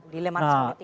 dileman seperti itu